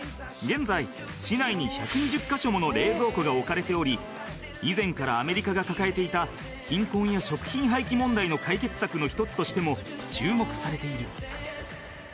現在、市内に１２０カ所もの冷蔵庫が置かれており以前からアメリカが抱えていた貧困な食品廃棄問題の解決策としても注目されている。